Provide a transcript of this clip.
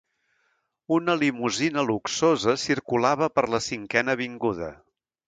Una limusina luxosa circulava per la cinquena avinguda.